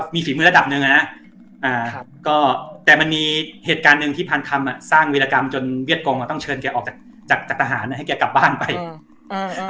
มีฝีมือระดับหนึ่งอ่ะนะอ่าครับก็แต่มันมีเหตุการณ์หนึ่งที่พันคำอ่ะสร้างวิรากรรมจนเวียดกงอ่ะต้องเชิญแกออกจากจากทหารเนี้ยให้แกกลับบ้านไปอืม